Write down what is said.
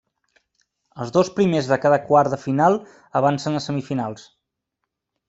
Els dos primers de cada quart de final avancen a semifinals.